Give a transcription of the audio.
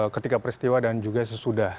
ketika peristiwa dan juga sesudah